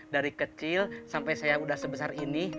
dari kecil sampai saya udah sebesar ini